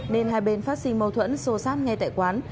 nên hai bên phát sinh mâu thuẫn sô sát ngay tại quán